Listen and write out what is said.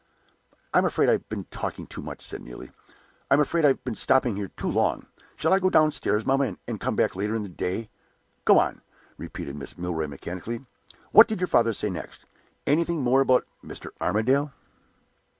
"I'm afraid I've been talking too much," said Neelie. "I'm afraid I've been stopping here too long. Shall I go downstairs, mamma, and come back later in the day?" "Go on," repeated Mrs. Milroy, mechanically. "What did your father say next? Anything more about Mr. Armadale?"